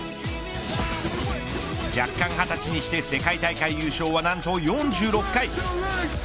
弱冠２０歳にして世界大会優勝は何と４６回。